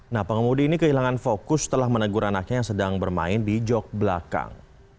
nah pengemudi ini kehilangan fokus setelah menegur anaknya yang sedang bermain di jok belakang